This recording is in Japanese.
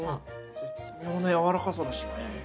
絶妙なやわらかさだしね。